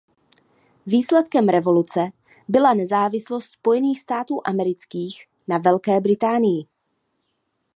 Výsledkem revoluce byla nezávislost Spojených států amerických na Velké Británii.